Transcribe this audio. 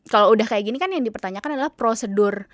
kalau udah kayak gini kan yang dipertanyakan adalah prosedur